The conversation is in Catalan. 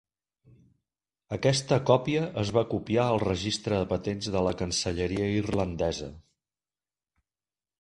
Aquesta còpia es va copiar al registre de patents de la cancelleria irlandesa.